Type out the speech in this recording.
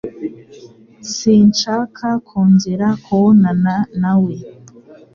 Sinshaka kongera kubonana nawe.